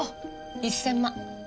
１０００万。